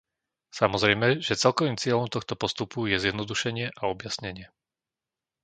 Samozrejme, že celkovým cieľom tohto postupu je zjednodušenie a objasnenie.